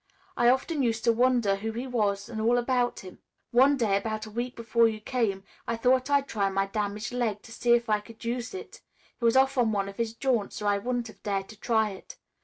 I often used to wonder who he was and all about him. One day, about a week before you came, I thought I'd try my damaged leg to see if I could use it. He was off on one of his jaunts or I wouldn't have dared to try it.